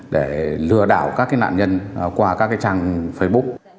để lừa đảo các nạn nhân qua các trang facebook